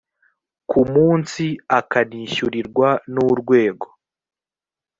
ku munsi akanishyurirwa n’urwego